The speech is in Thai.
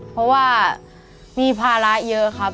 เพราะว่ามีภาระเยอะครับ